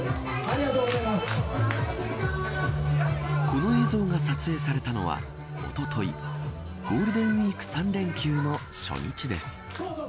この映像が撮影されたのはおとといゴールデンウイーク３連休の初日です。